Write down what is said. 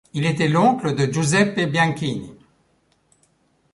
Il était l'oncle de Giuseppe Bianchini.